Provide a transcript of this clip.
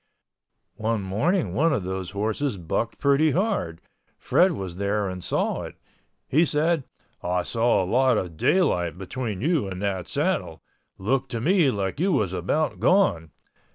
One morning one of those horses bucked pretty hard. Fred was there and saw it. He said, "I saw a lot of daylight between you and that saddle. Looked to me like you was about gone."